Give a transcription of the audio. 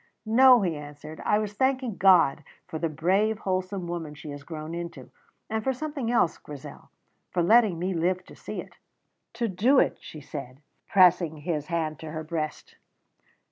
"No," he answered; "I was thanking God for the brave, wholesome woman she has grown into; and for something else, Grizel for letting me live to see it." "To do it," she said, pressing his hand to her breast.